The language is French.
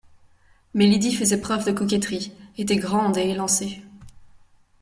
Mais Lydie faisait preuve de coquetterie, était grande et élancée